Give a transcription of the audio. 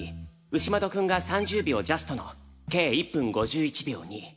牛窓くんが３０秒ジャストの計１分５１秒２。